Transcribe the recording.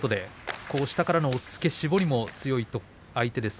下からの押っつけ、絞りも強い力士です。